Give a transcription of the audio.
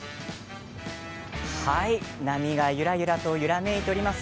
波がゆらゆらと揺らめいています。